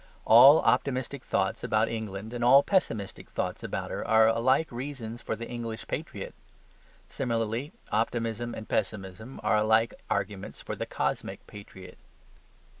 All optimistic thoughts about England and all pessimistic thoughts about her are alike reasons for the English patriot. Similarly, optimism and pessimism are alike arguments for the cosmic patriot.